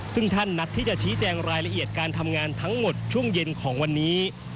ซึ่งท่านนัดที่จะชี้แจงรายละเอียดการทำงานทั้งหมดช่วงเย็นของวันนี้